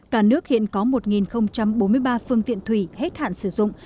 cả nước hiện có một bốn mươi ba phương tiện thủy hết hạn sử dụng